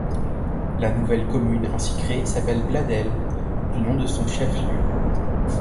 La nouvelle commune ainsi créée s'appelle Bladel, du nom de son chef-lieu.